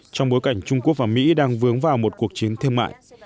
trong bối cảnh trung quốc và mỹ đang vướng vào một cuộc chiến thương mại